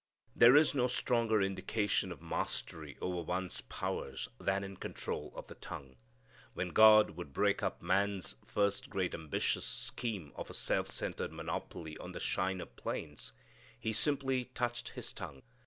There is no stronger indication of mastery over one's powers than in control of the tongue. When God would break up man's first great ambitious scheme of a self centred monopoly on the Shinar plains, He simply touched his tongue.